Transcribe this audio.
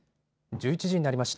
１１時になりました。